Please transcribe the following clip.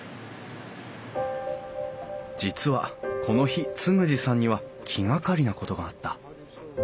実はこの日嗣二さんには気がかりなことがあった。